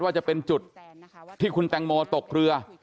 ว่าจะเป็นจุดที่คุณแตงโมตกเรือ